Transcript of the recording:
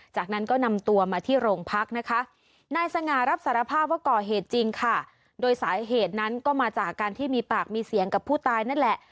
จากนั้นก็นำตัวมาที่โรงพักนะคะนายสง่ารับสารภาพว่าก่อเหตุจริงค่ะโดยสาเหตุนั้นก็มาจากการที่มีปากมีเสียงกับผู้ตายนั่นแหละ